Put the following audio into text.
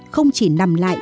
không chỉ nằm lại